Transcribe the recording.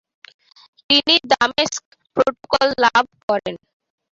তিনি দামেস্ক প্রটোকল লাভ করেন।